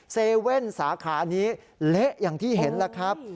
๗๑๑สาขานี้เละอย่างที่เห็นแล้วครับ